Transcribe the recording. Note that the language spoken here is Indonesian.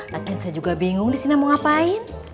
lakin saya juga bingung di sini mau ngapain